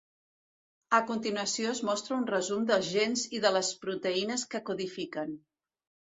A continuació es mostra un resum dels gens i de les proteïnes que codifiquen.